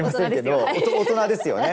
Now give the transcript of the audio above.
大人ですよね。